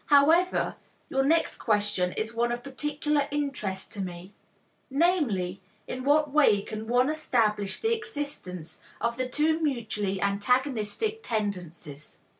However, your next question is one of particular interest to me, namely: in what way can one establish the existence of the two mutually antagonistic tendencies?